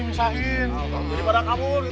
misalkan di badak amul